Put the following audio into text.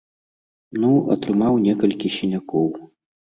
Ну, атрымаў некалькі сінякоў.